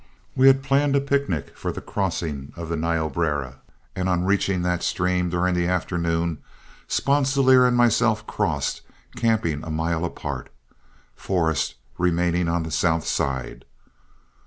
We had planned a picnic for the crossing of the Niobrara, and on reaching that stream during the afternoon, Sponsilier and myself crossed, camping a mile apart, Forrest remaining on the south side.